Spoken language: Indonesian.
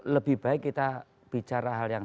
lebih baik kita bicara hal yang